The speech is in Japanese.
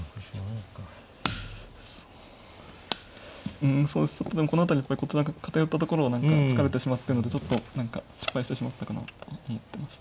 うんこの辺りこちらが偏ったところを何か突かれてしまったのでちょっと何か失敗してしまったかなと思ってました。